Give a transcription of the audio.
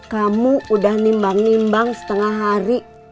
kamu udah nimbang nimbang setengah hari